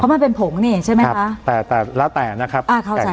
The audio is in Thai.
เพราะมันเป็นผงเนี้ยใช่ไหมคะครับแต่แต่แล้วแต่นะครับอ่าเข้าใจ